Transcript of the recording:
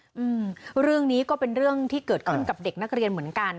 อืมเรื่องนี้ก็เป็นเรื่องที่เกิดขึ้นกับเด็กนักเรียนเหมือนกัน